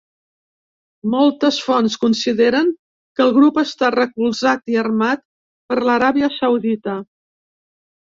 Moltes fonts consideren que el grup està recolzat i armat per l'Aràbia Saudita.